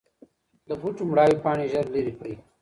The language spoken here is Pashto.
د بوټو مړاوې پاڼې ژر لرې کړئ.